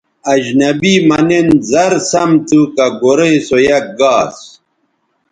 اجنبی مہ نِن زر سَم تھو کہ گورئ سو یک گاس